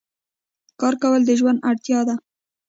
کار کول د ژوند اړتیا ده.